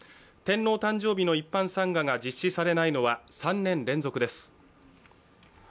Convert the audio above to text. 天皇誕生日の一般参賀が実施されないのは３年連続です。